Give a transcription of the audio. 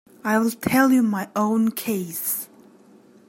I'll tell you my own case.